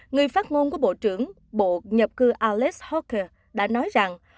người phát ngôn của bộ trưởng bộ nhập cư alex hawker đã nói rằng